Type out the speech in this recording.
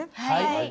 はい。